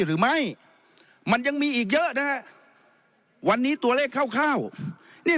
หรือไม่มันยังมีอีกเยอะนะฮะวันนี้ตัวเลขคร่าวนี่